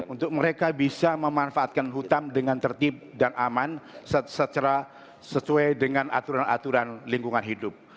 untuk mereka bisa memanfaatkan hutan dengan tertib dan aman secara sesuai dengan aturan aturan lingkungan hidup